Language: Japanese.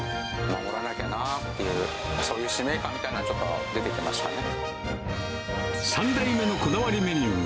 守らなきゃっていう、そういう使命感みたいなのがちょっと出てきましたね。